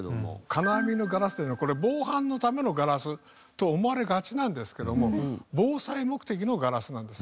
金網のガラスというのはこれ防犯のためのガラスと思われがちなんですけども防災目的のガラスなんですね。